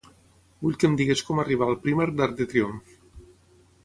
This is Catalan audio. Vull que em diguis com arribar al Primark d'Arc de Triomf.